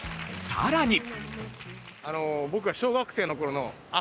さらに。